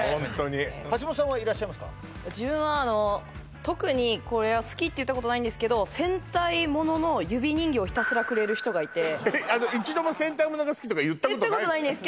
橋本さんはいらっしゃいますか自分はあの特にこれは好きって言ったことないんですけど戦隊モノの指人形をひたすらくれる人がいて一度も戦隊モノが好きとか言ったことないのね？